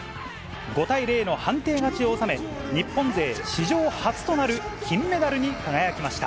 ５対０の判定勝ちを収め、日本勢史上初となる金メダルに輝きました。